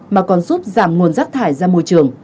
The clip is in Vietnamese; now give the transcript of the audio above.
mà còn giúp giảm nguồn rác thải ra môi trường